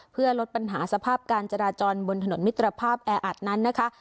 เพื่อลดปัญหาสภาพการจราจรบนถนนมิตรภาพแออัดนั้นนะคะ